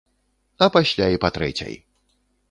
А пасля і па трэцяй!